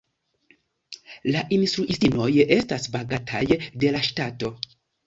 La instruistinoj estas pagataj de la ŝtato.